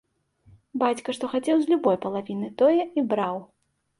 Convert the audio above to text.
Бацька што хацеў з любой палавіны, тое і браў.